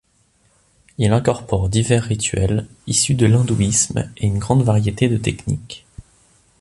Il incorpore divers rituels issus de l'hindouisme, et une grande variété de techniques.